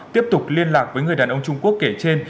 tiếp tục liên lạc với người đàn ông trung quốc kể trên